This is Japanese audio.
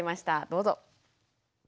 どうぞ。